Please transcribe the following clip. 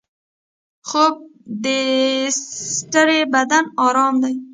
خوب د ستړي بدن ارام دی